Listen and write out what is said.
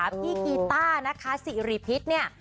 พี่กีต้านะคะสิริพิษเนี่ย